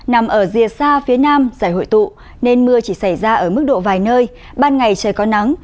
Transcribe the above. nằm ở rìa xa phía nam giải hội tụ nên mưa chỉ xảy ra ở mức độ vài nơi ban ngày trời có nắng